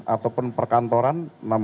ada pun perkantoran enam belas